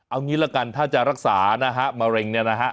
เอางี้ละกันถ้าจะรักษานะฮะมะเร็งเนี่ยนะฮะ